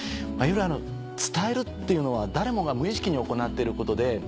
伝えるっていうのは誰もが無意識に行っていることで。